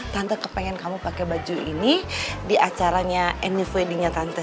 tante kepengen kamu pakai baju ini di acaranya anyf weddingnya tante